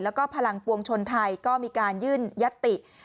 แล้วก็พลังปวงชนไทยก็มีการยื่นยัตติ